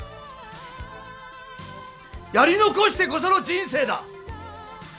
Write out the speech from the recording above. やり残してこその人生だ！